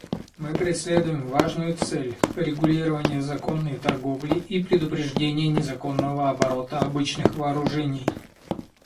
Мы преследуем важную цель — регулирование законной торговли и предупреждение незаконного оборота обычных вооружений.